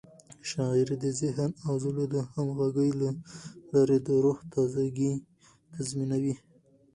شاعري د ذهن او زړه د همغږۍ له لارې د روح تازه ګي تضمینوي.